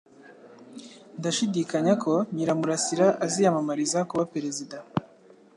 Ndashidikanya ko Nyiramurasira aziyamamariza kuba perezida.